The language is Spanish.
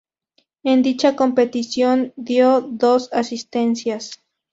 En dicha competición dio dos asistencias.